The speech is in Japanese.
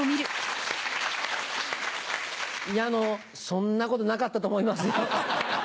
そんなことなかったと思いますよ。